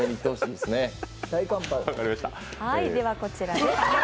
では、こちらです。